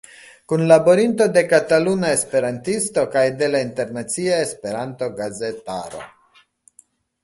Kunlaborinto de Kataluna Esperantisto kaj de la internacia Esperanto-gazetaro.